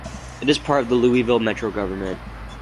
It is part of the Louisville Metro Government.